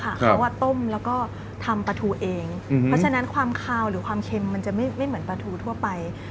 เขาต้มแล้วก็ทำปลาทูเองเพราะฉะนั้นความคาวหรือความเค็มมันจะไม่เหมือนปลาทูทั่วไป